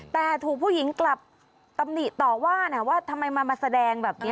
แต่ถูกผู้หญิงกลับตำหนิต่อว่านะว่าทำไมมาแสดงแบบนี้